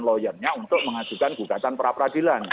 lawyernya untuk mengajukan gugatan perapradilan